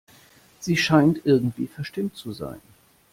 Sie scheint irgendwie verstimmt zu sein.